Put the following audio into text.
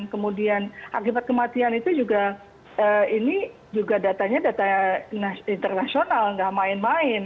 kemudian akibat kematian itu juga ini juga datanya data internasional nggak main main